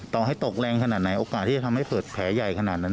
ต่อให้ตกแรงขนาดไหนโอกาสที่จะทำให้เกิดแผลใหญ่ขนาดนั้น